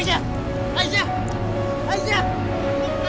aisyah aisyah aisyah